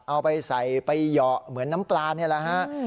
เอาไปใส่ไปเหยาะเหมือนน้ำปลานี่แหละฮะ